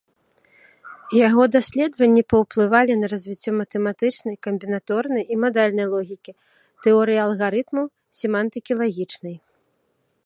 Яго даследаванні паўплывалі на развіццё матэматычнай, камбінаторнай і мадальнай логікі, тэорыі алгарытмаў, семантыкі лагічнай.